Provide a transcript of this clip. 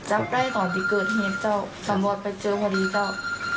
จับได้ตอนที่เกิดเหตุเจ้าตำรวจไปเจอพอดีเจ้า